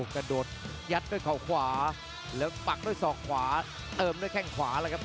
กระโดดยัดด้วยเขาขวาแล้วปักด้วยศอกขวาเติมด้วยแข้งขวาแล้วครับ